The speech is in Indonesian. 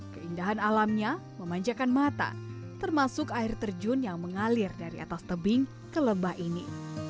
keindahan alamnya memanjakan mata termasuk air terjun yang mengalir dari atas tebing ke lembah ini